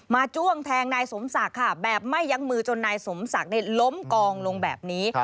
จ้วงแทงนายสมศักดิ์ค่ะแบบไม่ยั้งมือจนนายสมศักดิ์ล้มกองลงแบบนี้